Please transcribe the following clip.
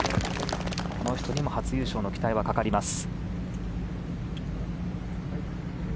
この人にも初優勝の期待はかかります。